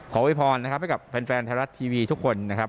โวยพรนะครับให้กับแฟนไทยรัฐทีวีทุกคนนะครับ